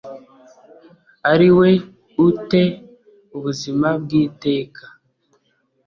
ari we u te ubuzima bw iteka